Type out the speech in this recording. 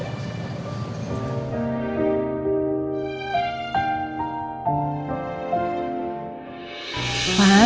nanti kita berdua makan